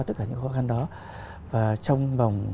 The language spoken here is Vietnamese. tất cả những khó khăn đó và trong vòng